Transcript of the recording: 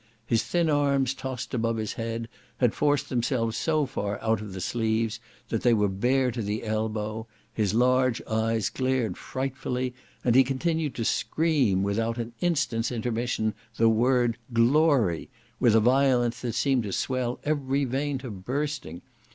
His thin arms tossed above his head, had forced themselves so far out of the sleeves, that they were bare to the elbow; his large eyes glared frightfully, and he continued to scream without an instant's intermission the word "Glory!" with a violence that seemed to swell every vein to bursting.